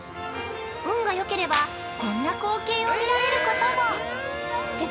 運がよければ、こんな光景を見られることも。